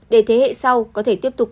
để thế hệ sau có thể tiếp tục